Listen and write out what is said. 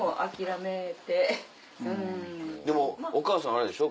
でもお母さんあれでしょ。